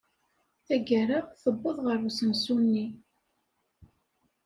Tagara, tewweḍ ɣer usensu-nni.